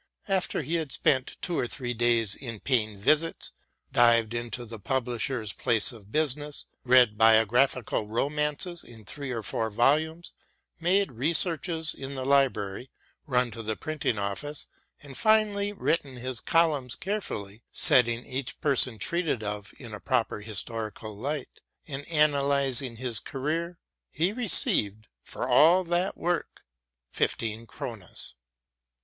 After he had spent two or three days in paying visits, dived into a publisher's place of business, read biographical romances in three or four volumes, made researches in the library, run to the printing office and finally written his columns carefully, setting each person treated of in a proper historical light, and analysing his career, he received, for all that work, fifteen kronas.